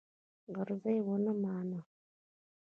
عرض یې ونه مانه.